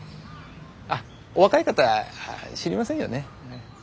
あっお若い方知りませんよね。